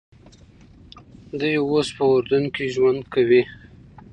دوی اوس په اردن کې ژوند کوي.